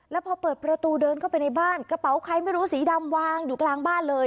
แล้วพอเปิดประตูเดินเข้าไปในบ้านกระเป๋าใครไม่รู้สีดำวางอยู่กลางบ้านเลย